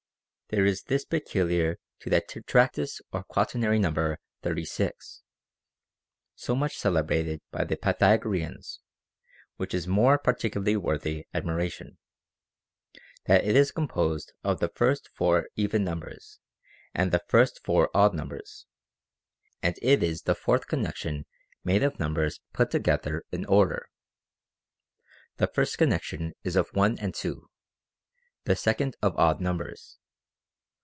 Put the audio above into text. There is this peculiar to that tetractys or quaternary number thirty six, so much celebrated by the Pythagoreans, which is more particularly worthy admiration, — that it is composed of the first four even numbers and the first four odd numbers ; and it is the fourth connection made of numbers put together in order. The first connection is of one and two ; the second of odd numbers.